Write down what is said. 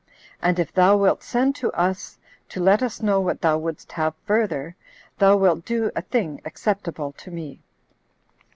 And if thou wilt send to us, to let us know what thou wouldst have further, thou wilt do a thing acceptable to me."